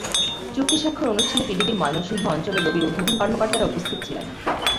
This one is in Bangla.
চুক্তি স্বাক্ষর অনুষ্ঠানে পিডিবির ময়মনসিংহ অঞ্চল ও রবির ঊর্ধ্বতন কর্মকর্তারা উপস্থিত ছিলেন।